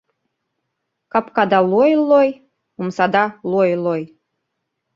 Капкада лой-лой, омсада лой-лой